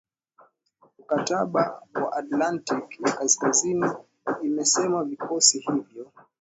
mkataba wa atlantiki ya kaskazini imesema vikosi hivyo